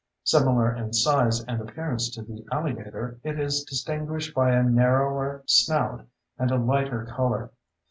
Similar in size and appearance to the alligator, it is distinguished by a narrower snout and a lighter color.